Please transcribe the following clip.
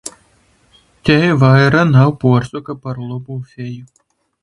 Tei vaira nav puorsoka par lobū feju.